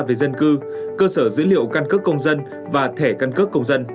về dân cư cơ sở dữ liệu căn cước công dân và thẻ căn cước công dân